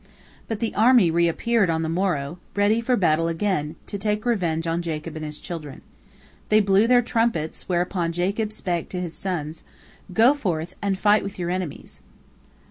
But the army reappeared on the morrow, ready for battle again, to take revenge on Jacob and his children. They blew their trumpets, whereupon Jacob spake to his sons, "Go forth and fight with your enemies."